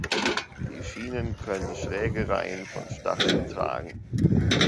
Die Schienen können schräge Reihen von Stacheln tragen.